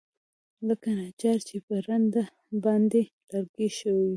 لکه نجار چې په رنده باندى لرګى ښويوي.